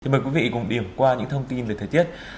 mời quý vị cùng điểm qua những thông tin về thời tiết